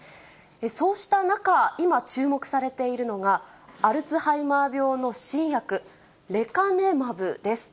そうした中、今、注目されているのが、アルツハイマー病の新薬、レカネマブです。